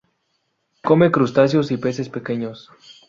Come crustáceos y peces pequeños.